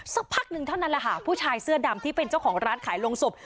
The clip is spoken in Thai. สักพักหนึ่งเท่านั้นแหละค่ะผู้ชายเสื้อดำที่เป็นเจ้าของร้านขายโรงศพ